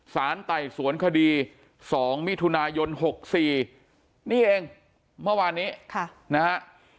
ไต่สวนคดี๒มิถุนายน๖๔นี่เองเมื่อวานนี้นะฮะ